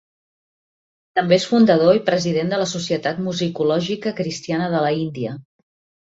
També és fundador i president de la Societat musicològica cristiana de la Índia.